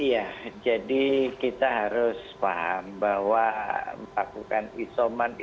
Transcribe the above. iya jadi kita harus paham bahwa melakukan isoman